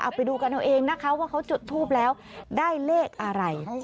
เอาไปดูกันเอาเองนะคะว่าเขาจุดทูปแล้วได้เลขอะไร